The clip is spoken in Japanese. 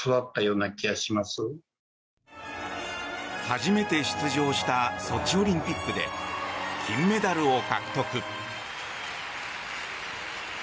初めて出場したソチオリンピックで金メダルを獲得。